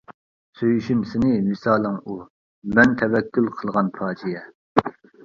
سۆيۈشۈم سېنى، ۋىسالىڭ ئۇ، مەن تەۋەككۈل قىلغان پاجىئە.